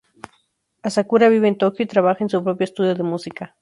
Asakura vive en Tokio y trabaja en su propio estudio de música.